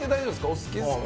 お好きですか？